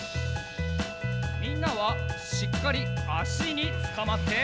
みんなはしっかりあしにつかまって！